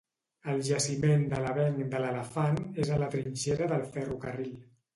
El jaciment de l'avenc de l'Elefant és a la trinxera del ferrocarril.